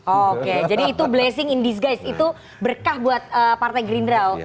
oke jadi itu blessing in disguise itu berkah buat partai gerindra